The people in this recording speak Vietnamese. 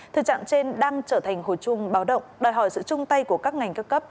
thực trạng trên đang trở thành hồi chuông báo động đòi hỏi sự chung tay của các ngành các cấp